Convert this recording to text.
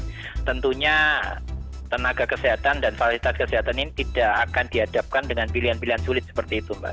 jadi tentunya tenaga kesehatan dan kualitas kesehatan ini tidak akan dihadapkan dengan pilihan pilihan sulit seperti itu mbak